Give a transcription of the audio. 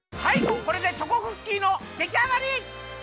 これでチョコクッキーのできあがり！